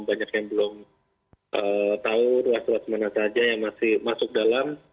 banyak yang belum tahu ruas ruas mana saja yang masih masuk dalam